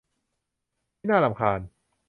ที่น่ารำคาญ